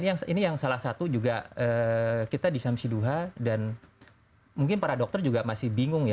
nah ini yang salah satu juga kita di samsi duha dan mungkin para dokter juga masih bingung